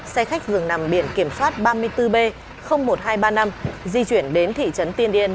xe khách dường nằm biển kiểm soát ba mươi bốn b một nghìn hai trăm ba mươi năm di chuyển đến thị trấn tiên yên